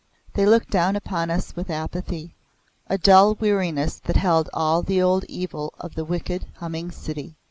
They looked down on us with apathy, a dull weariness that held all the old evil of the wicked humming city.